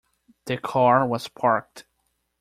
The car was parked.